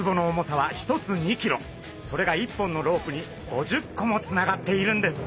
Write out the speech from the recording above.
それが１本のロープに５０個もつながっているんです。